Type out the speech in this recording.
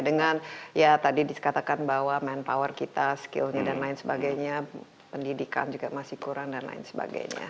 dengan ya tadi dikatakan bahwa manpower kita skillnya dan lain sebagainya pendidikan juga masih kurang dan lain sebagainya